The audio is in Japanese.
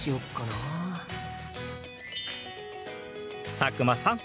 佐久間さん